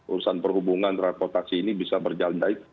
urusan perhubungan dan reputasi ini bisa berjalan baik